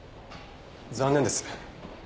残念です。